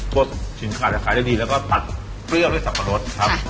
กดชิ้นขาดอาคารได้ดีแล้วก็ตัดเปรี้ยวด้วยสัปดาห์รสครับ